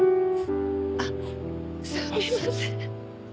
あっすみません。